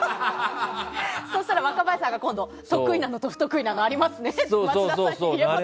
そうしたら、若林さんが今度は得意なのと不得意なのがありますねって言えますね。